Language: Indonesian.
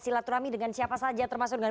silaturahmi dengan siapa saja termasuk dengan